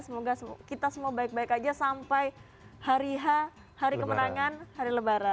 semoga kita semua baik baik aja sampai hari kemenangan hari lebaran